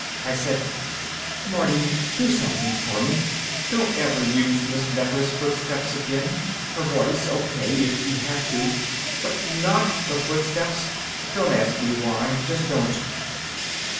I said, "Marty, do something for me. Don't ever use Miss Nefer's footsteps again. Her voice, okay, if you have to. But not the footsteps. Don't ask me why, just don't."